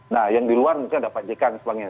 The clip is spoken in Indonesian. nah yang di luar mungkin ada pak jekang dan sebagainya